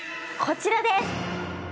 こちらです！